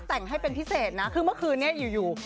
แต่งให้เป็นพิเศษนะคือเมื่อคืนนี้อยู่